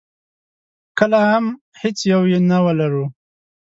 کله هم هېڅ یو یې نه ولرو.